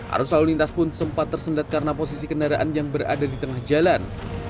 arus lalu lintas pun sempat tersendat karena posisi kendaraan yang berada di tengah jalan